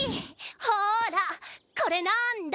ほらこれなんだ？